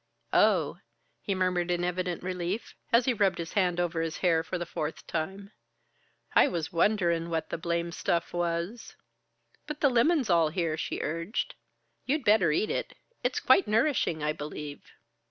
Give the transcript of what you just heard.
"Oh!" he murmured in evident relief, as he rubbed his hand over his hair for the fourth time. "I was wonderin' what the blame stuff was." "But the lemon's all here," she urged. "You'd better eat it. It's quite nourishing, I believe."